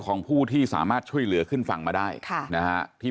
ของผู้ที่สามารถช่วยเหลือขึ้นฝั่งมาได้ค่ะนะฮะที่